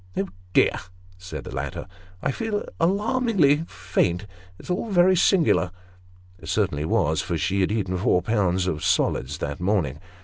" Oh dear !" said the latter, " I feel alarmingly faint ; it's very singular." (It certainly was, for she had eaten four pounds of solids that morning.)